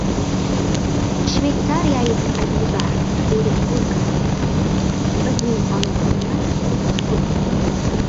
Shveytsariyalik adiba Erik Burkart: «Bizning ona tilimiz – sukut.